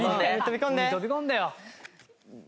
海飛び込んでよ。